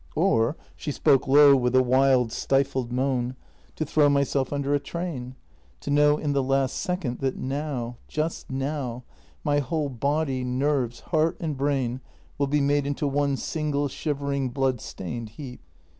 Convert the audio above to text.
Or "— she spoke low, with a wild, stifled voice —" to throw myself under a train — to know in the last second that now — just now — my whole body, nerves, heart, and brain will be made into one single shivering bloodstained heap."